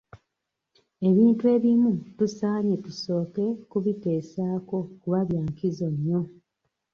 Ebintu ebimu tusaanye tusooke kubiteesaako kuba bya nkizo nnyo.